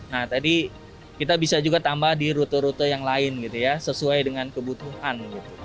nah tadi kita bisa juga tambah di rute rute yang lain gitu ya sesuai dengan kebutuhan